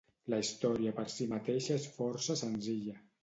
La història per si mateixa és força senzilla.